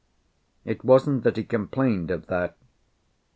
It wasn't that he complained of that.